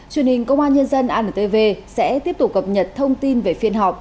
truyền hình công an nhân dân antv sẽ tiếp tục cập nhật thông tin về phiên họp